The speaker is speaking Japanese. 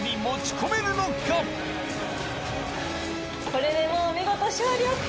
これでもう見事。